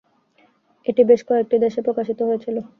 এটি বেশ কয়েকটি দেশে প্রকাশিত হয়েছিল।